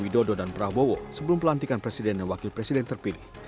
widodo dan prabowo sebelum pelantikan presiden dan wakil presiden terpilih